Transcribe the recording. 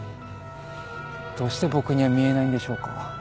どうして僕には見えないんでしょうか？